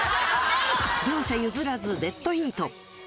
両者譲らずデッドヒート。